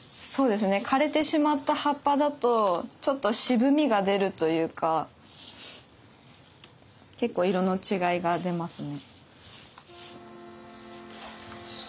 枯れてしまった葉っぱだとちょっと渋みが出るというか結構色の違いが出ますね。